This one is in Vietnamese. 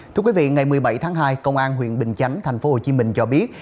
thưa quý vị ngày một mươi bảy tháng hai công an huyện bình chánh tp hcm cho biết